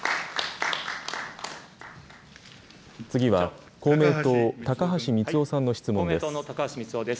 次は、公明党、高橋光男さんの質問です。